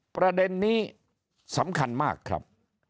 ประเด็นนี้สำคัญมากครับ